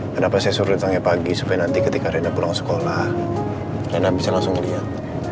kenapa saya suruh di tangga pagi supaya nanti ketika rena pulang sekolah rena bisa langsung liat